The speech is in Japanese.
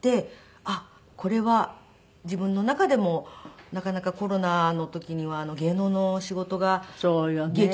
あっこれは自分の中でもなかなかコロナの時には芸能の仕事が激減しまして。